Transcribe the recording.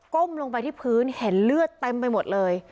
้มลงไปที่พื้นเห็นเลือดเต็มไปหมดเลย